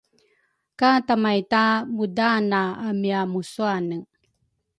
ka tamaita mudaana amia musuane.